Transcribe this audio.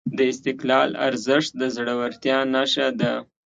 د استقلال ارزښت د زړورتیا نښه ده.